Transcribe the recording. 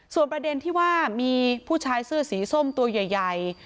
ส่วนประเด็นที่ว่ามีผู้ชายเสื้อสีส้มตัวใหญ่